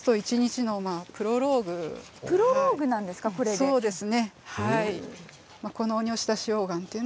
そうですね。